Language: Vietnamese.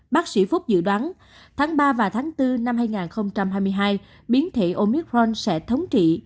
bác sĩ phúc dự đoán tháng ba và tháng bốn năm hai nghìn hai mươi hai biến thể omicron sẽ thống trị